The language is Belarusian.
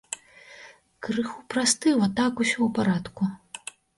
Крыху прастыў, а так усё ў парадку.